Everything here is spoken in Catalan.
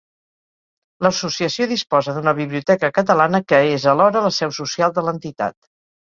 L'Associació disposa d'una Biblioteca Catalana que és alhora la seu social de l'Entitat.